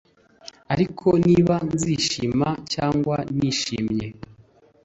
ariko niba nzishima cyangwa ntishimye